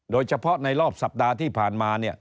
โดยเฉพาะในรอบสัปดาห์ที่ผ่านมา